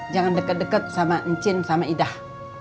jangan deket deket sama ecin sama idah